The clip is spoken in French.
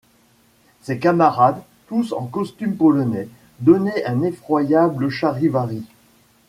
Ses camarades, tous en costumes polonais, donnaient un effroyable charivari.